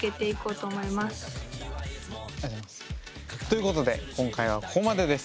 ということで今回はここまでです。